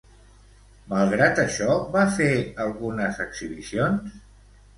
Malgrat això, va fer algunes exhibicions?